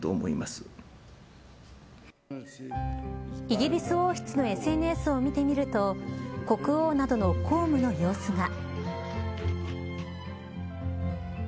イギリス王室のＳＮＳを見てみると国王などの公務の様子が。